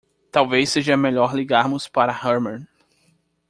Talvez seja melhor ligarmos para Herman.